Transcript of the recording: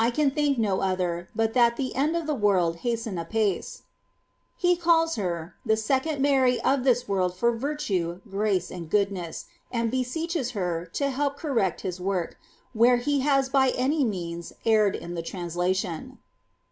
1 can think no other, but that the end of the world hasieth apace." He calls her —^^ the second Mary of this world for virtue, grace, and goodness; and beseeches her to help correct his work, where he has by any means erred in the. tnmslation."